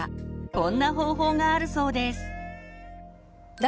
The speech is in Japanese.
こんな方法があるそうです。